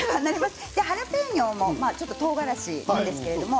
ハラペーニョもとうがらしなんですけれども